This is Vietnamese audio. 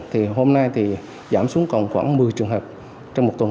thì hôm nay thì giảm xuống còn khoảng một mươi trường hợp trong một tuần